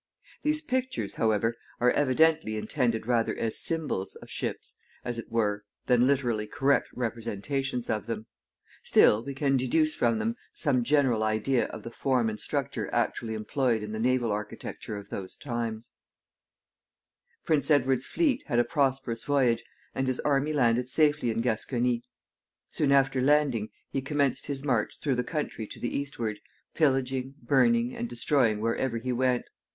These pictures, however, are evidently intended rather as symbols of ships, as it were, than literally correct representations of them. Still, we can deduce from them some general idea of the form and structure actually employed in the naval architecture of those times. [Illustration: ANCIENT REPRESENTATION OF ENGLISH SHIPS.] Prince Edward's fleet had a prosperous voyage, and his army landed safely in Gascony. Soon after landing he commenced his march through the country to the eastward, pillaging, burning, and destroying wherever he went.